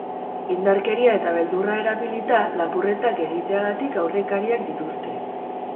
Indarkeria eta beldurra erabilita lapurretak egiteagatik aurrekariak dituzte.